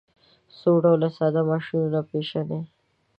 څو ډوله ساده ماشینونه پیژنئ.